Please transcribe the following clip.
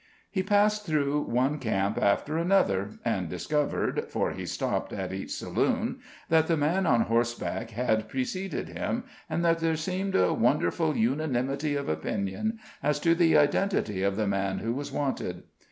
He passed through one camp after another, and discovered (for he stopped at each saloon) that the man on horseback had preceded him, and that there seemed a wonderful unanimity of opinion as to the identity of the man who was wanted.